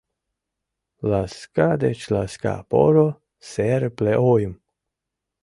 Ласка деч ласка, поро, серыпле ойым